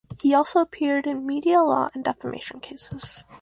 He also appeared in media law and defamation cases.